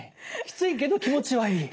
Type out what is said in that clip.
きついけど気持ちはいい。